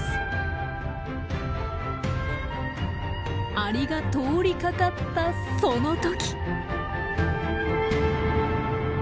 アリが通りかかったその時！